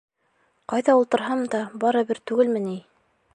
Ҡайҙа ултырһам да барыбер түгелме ни?